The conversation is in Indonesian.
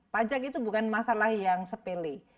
pajak itu bukan masalah yang sepele